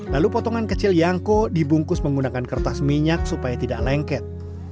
lalu potongan kecil yangko dibungkus menggunakan kertas minyak supaya tidak lengket